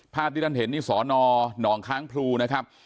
ภาพที่ท่านเห็นนี่สนหนองค้างพลูนะครับ